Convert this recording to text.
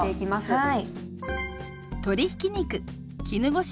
はい。